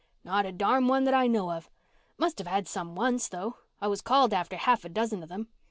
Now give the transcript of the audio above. "Not a darn one that I know of. Must have had some once, though. I was called after half a dozen of them.